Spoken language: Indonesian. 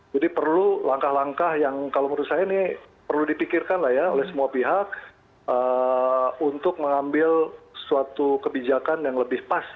jadi perlu langkah langkah yang kalau menurut saya ini perlu dipikirkan oleh semua pihak untuk mengambil suatu kebijakan yang lebih pas